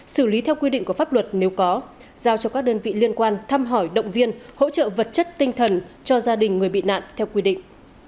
xử lý theo quy định của pháp luật nếu có giao cho các đơn vị liên quan thăm hỏi động viên hỗ trợ vật chất tinh thần cho gia đình người bị nạn theo quy định